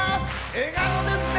笑顔ですね！